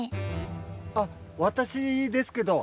あっ私ですけど。